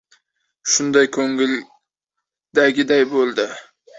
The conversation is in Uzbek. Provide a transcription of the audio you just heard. — Shunday, ko‘nglidagiday bo‘ldi.